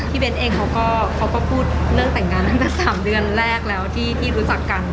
เบ้นเองเขาก็พูดเรื่องแต่งงานตั้งแต่๓เดือนแรกแล้วที่รู้จักกัน